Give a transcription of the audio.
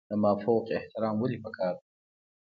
د مافوق احترام ولې پکار دی؟